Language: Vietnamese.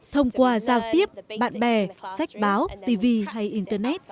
thông qua giao tiếp bạn bè sách báo tv hay internet